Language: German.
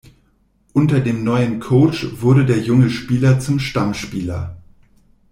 Unter dem neuen Coach wurde der junge Spieler zum Stammspieler.